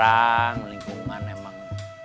aduh perut kenyang